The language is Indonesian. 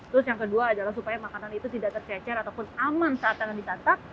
terus yang kedua adalah supaya makanan itu tidak tercecer ataupun aman saat tangan disantap